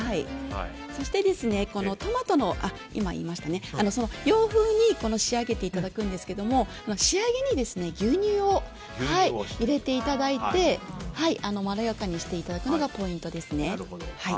そして、洋風に仕上げていただくんですが仕上げに牛乳を入れていただいてまろやかにしていただくのがポイントですね。